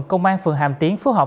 công an phường hàm tiến phù hợp